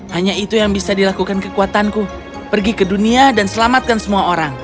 hanya itu yang bisa dilakukan kekuatanku pergi ke dunia dan selamatkan semua orang